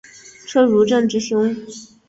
车汝震之兄。